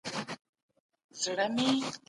هغه په سړک کي منډې وهلې.